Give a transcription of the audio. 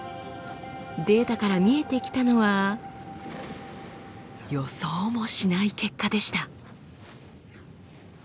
データから見えてきたのは予想もしない結果でした。